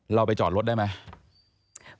เราไปจอดรถได้ไหม